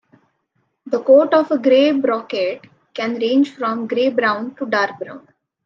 The coat of a gray brocket can range from gray-brown to dark brown.